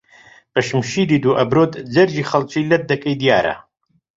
بەشمشیری دوو ئەبرۆت جەرگی خەڵکی لەت دەکەی دیارە